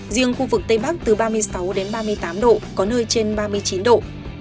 riêng khu vực tây bắc từ ba mươi sáu đến ba mươi tám độ có nơi trên ba mươi chín độ